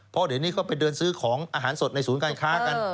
เพราะเดี๋ยวนี้ก็ไปเดินซื้อของอาหารสดในศูนย์การค้ากัน